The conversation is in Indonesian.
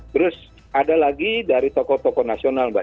terus ada lagi dari tokoh tokoh nasional mbak